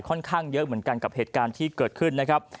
ค่อนข้างเยอะเหมือนกันกับเหตุการณ์ที่เกิดขึ้นนะครับ